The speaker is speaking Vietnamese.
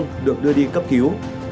hai người bị đưa đi cấp cứu